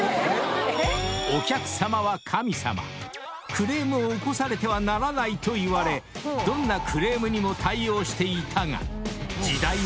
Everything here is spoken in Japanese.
［クレームを起こされてはならないといわれどんなクレームにも対応していたが］